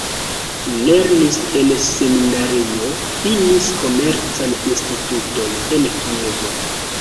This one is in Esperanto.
Lernis en seminario, finis Komercan Instituton en Kievo.